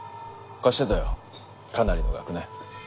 貸してたよかなりの額ね。